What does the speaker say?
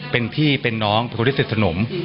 เป็นพี่เป็นน้องเป็นคนที่สนิทสนม